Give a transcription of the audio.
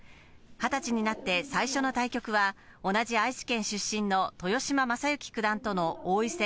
２０歳になって最初の対局は、同じ愛知県出身の豊島将之九段との王位戦